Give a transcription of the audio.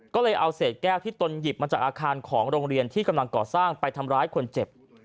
ก็เลยเอาเศษแก้วที่ตนหยิบมาจากอาคารของโรงเรียนที่กำลังก่อสร้างไปทำร้ายคนเจ็บ